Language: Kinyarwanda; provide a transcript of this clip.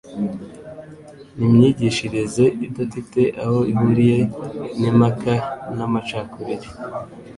n'imyigishirize idafite aho ihuriye n'impaka n'amacakubiri,